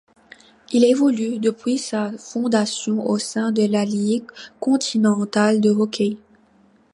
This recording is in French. Il évolue depuis sa fondation au sein de la Ligue continentale de hockey.